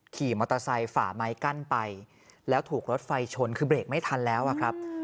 ขี่มอเตอร์ไซค์ฝ่าไม้กั้นไปแล้วถูกรถไฟชนคือเบรกไม่ทันแล้วอะครับ